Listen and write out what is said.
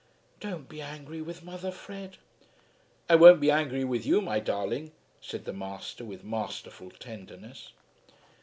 "Don't be angry with mother, Fred." "I won't be angry with you, my darling," said the master with masterful tenderness.